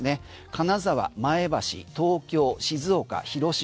金沢、前橋、東京、静岡、広島